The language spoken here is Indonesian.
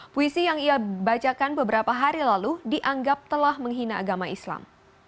puisi yang ia bacakan beberapa hari lalu dianggap telah menghina agama islam